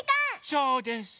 そうです！